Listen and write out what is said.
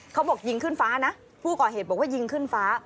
เขาบอกยิงขึ้นฟ้านะผู้ก่อเหตุบอกว่ายิงขึ้นฟ้า